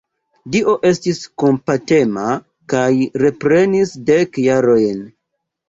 Dio estis kompatema kaj reprenis dek jarojn.